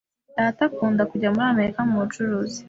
Data akunda kujya muri Amerika mubucuruzi.